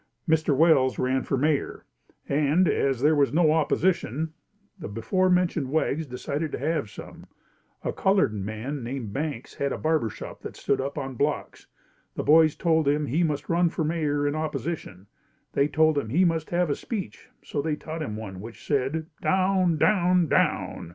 Mr. Welles ran for Mayor and, as there was no opposition, the before mentioned wags decided to have some. A colored man, called Banks, had a barbershop that stood up on blocks. The boys told him he must run for Mayor in opposition. They told him he must have a speech, so taught him one which said, "Down, Down, Down!"